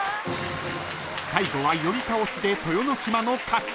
［最後は寄り倒しで豊ノ島の勝ち］